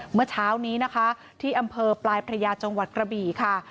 เมื่อเช้านี้นะคะที่อำเภอปลายพระยาจังหวัดกระบี่ค่ะ